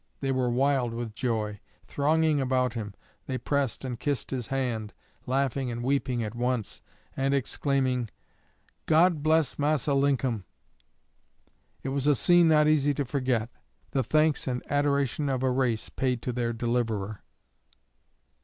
They were wild with joy. Thronging about him, they pressed and kissed his hand, laughing and weeping at once, and exclaiming, "God bless Massa Linkum!" It was a scene not easy to forget: the thanks and adoration of a race paid to their deliverer.